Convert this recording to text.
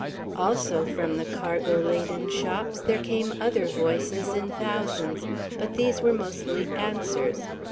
Also from the cargo laden shops there came other voices in thousands, but these were mostly answers.